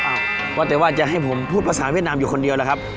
ว่าแต่ว่าจะให้ผมพูดภาษาเวียดนามอยู่คนเดียวล่ะครับ